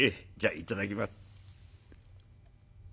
じゃあいただきます」。